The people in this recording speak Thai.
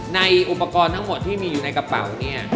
ในอุปกรณ์ทั้งหมดที่มีอยู่ในกระเป๋าเนี่ย